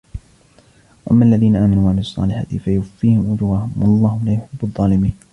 وأما الذين آمنوا وعملوا الصالحات فيوفيهم أجورهم والله لا يحب الظالمين